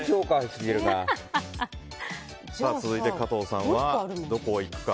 続いて加藤さんはどこをいくか。